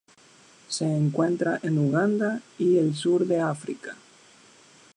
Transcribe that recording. Se encuentra en Uganda y el sur de África.